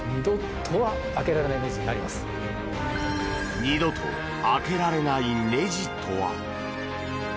二度と開けられないねじとは？